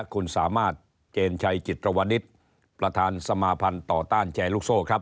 คุณสามารถเจนชัยจิตรวนิตประธานสมาพันธ์ต่อต้านแชร์ลูกโซ่ครับ